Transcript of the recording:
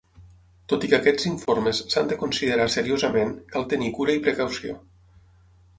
Tot i que aquests informes s'han de considerar seriosament, cal tenir cura i precaució.